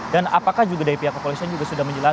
dan apakah juga dari pihak kepolisian juga sudah mengetahui